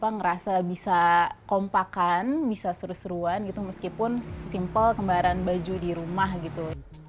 ngerasa bisa kompakan bisa seru seruan gitu meskipun simple kembaran baju di rumah gitu